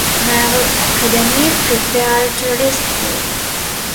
Naval Academy preparatory school.